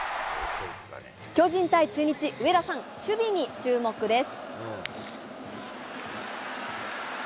巨人対中日、上田さん、守備に注目です。